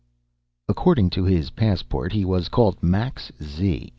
According to his passport, he was called Max Z.